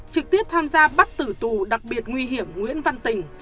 trực tiếp tham gia bắt tử tù đặc biệt nguy hiểm nguyễn văn tình